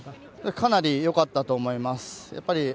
かなりよかったと思います。